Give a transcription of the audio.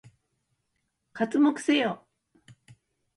刮目せよ！